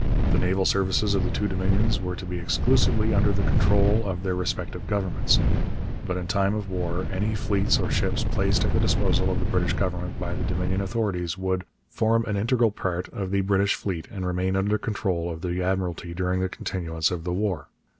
The naval services of the two Dominions were to be 'exclusively under control of their respective governments'; but in time of war any fleet or ships placed at the disposal of the British Government by the Dominion authorities would 'form an integral part of the British fleet and remain under the control of the Admiralty during the continuance of the war.'